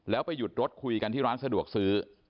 แล้วไปหยุดรถคุยกันที่ร้านสะดวกซื้อ